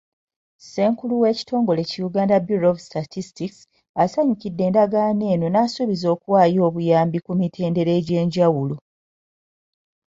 Ssenkulu w'ekitongole ki Uganda Bureau of Statistics, asanyukidde endagaano eno n'asuubiza okuwaayo obuyambi ku mitendera egy'enjawulo.